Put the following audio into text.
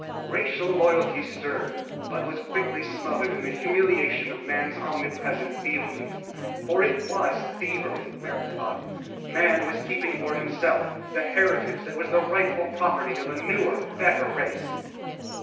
Racial loyalty stirred, but was quickly smothered in the humiliation of man's omnipresent thievery. For it was thievery, Merrick thought. Man was keeping for himself the heritage that was the rightful property of a newer, better race.